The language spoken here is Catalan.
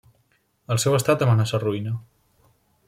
El seu estat amenaça ruïna.